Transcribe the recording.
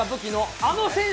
あの選手。